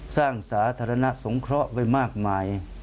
สร้างสาธารณะสงเคราะห์ไปมากมาย